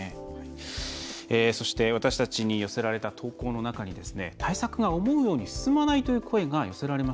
そして私たちに寄せられた投稿の中にですね対策が思うように進まないという声が寄せられました。